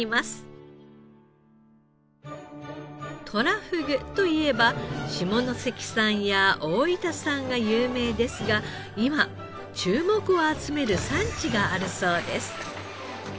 とらふぐといえば下関産や大分産が有名ですが今注目を集める産地があるそうです。